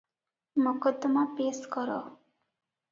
ମକଦ୍ଦମା ପେଶ୍ କର ।